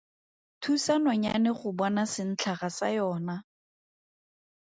Thusa nonyane go bona sentlhaga sa yona.